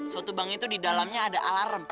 suatu bank itu di dalamnya ada alarm